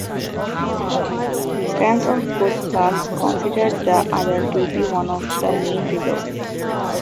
Fans of both clubs consider the other to be one of their main rivals.